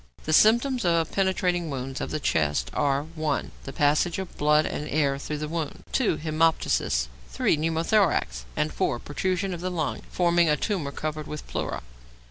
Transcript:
The symptoms of penetrating wounds of the chest are (1) The passage of blood and air through the wound; (2) hæmoptysis; (3) pneumothorax; and (4) protrusion of the lung forming a tumour covered with pleura.